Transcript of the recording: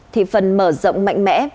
thì phần mở rộng mạnh mẽ